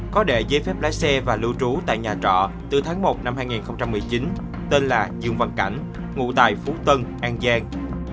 có đệ giấy phép lái xe và lưu trú tại nhà trọ từ tháng một năm hai nghìn một mươi chín tên là dương văn cảnh ngụ tại phú tân an giang